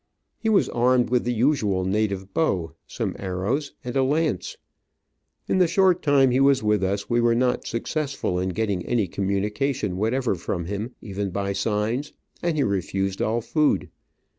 He was armed with the usual native bow, some arrows, and a lance. In the short time he was with us we were not successful in getting any communication what ever from him, even by signs, and he refused all food.